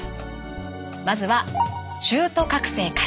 まずは中途覚醒から。